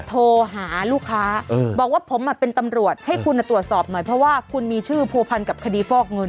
โทรหาลูกค้าบอกว่าผมเป็นตำรวจให้คุณตรวจสอบหน่อยเพราะว่าคุณมีชื่อผัวพันกับคดีฟอกเงิน